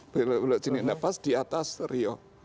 berbelok di atas rio